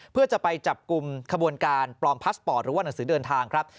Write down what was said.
เพื่อจะไปจับกลุ่มขบวนการปลอมพาสปอร์ตหรือว่าหนังสือเดินทางครับ